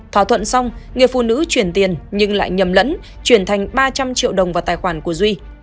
thỏa thuận xong người phụ nữ chuyển tiền nhưng lại nhầm lẫn chuyển thành ba trăm linh triệu đồng vào tài khoản của duy